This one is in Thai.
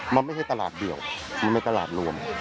มันไม่ใช่ตลาดเดียวมันเป็นตลาดรวม